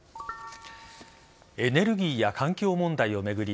エネルギーや環境問題を巡り